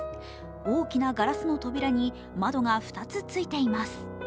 大きなガラスの扉に窓が２つついています。